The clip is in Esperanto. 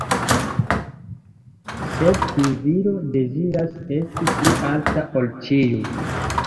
Sed tiu viro deziras esti pli alta ol ĉiuj.